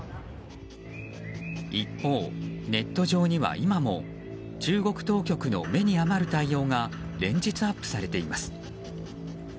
一方、ネット上には今も中国当局の目に余る対応が連日、アップされています。